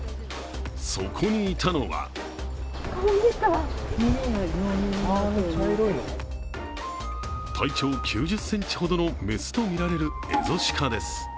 そこにいたのは体長９０ｃｍほどの雌とみられるエゾシカです。